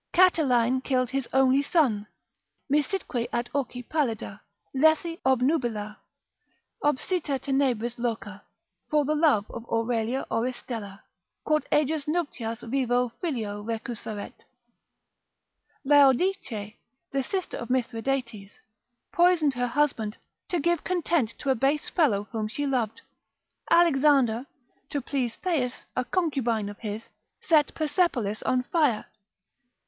Catiline killed his only son, misitque ad orci pallida, lethi obnubila, obsita tenebris loca, for the love of Aurelia Oristella, quod ejus nuptias vivo filio recusaret. Laodice, the sister of Mithridates, poisoned her husband, to give content to a base fellow whom she loved. Alexander, to please Thais, a concubine of his, set Persepolis on fire.